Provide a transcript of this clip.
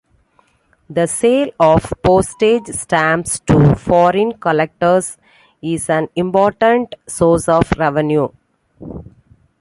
The sale of postage stamps to foreign collectors is an important source of revenue.